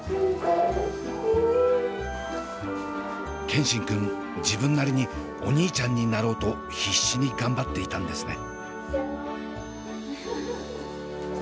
健新くん自分なりにお兄ちゃんになろうと必死に頑張っていたんですね。